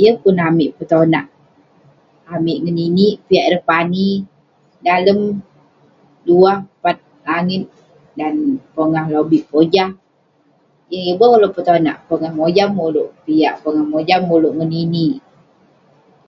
Yeng pun amik petonak, amik ngeninik piak ireh pani dalem duah pat langit. Dan pongah lobik pojah, yeng iboh ulouk petonak, pongah mojam ulouk piak, pongah mojam ulouk ngeninik.